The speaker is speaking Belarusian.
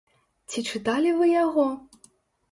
Ці чыталі вы яго?